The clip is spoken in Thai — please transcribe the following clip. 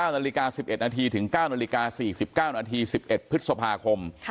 ๙นาฬิกา๑๑นาทีถึง๙นาฬิกา๔๙นาที๑๑พฤษภาคม